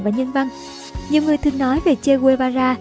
và nhân văn nhiều người thường nói về che guevara